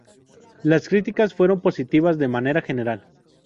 Las críticas fueron positivas de manera general.